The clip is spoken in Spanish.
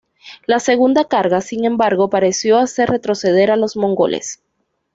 La segunda carga, sin embargo, pareció hacer retroceder a los mongoles.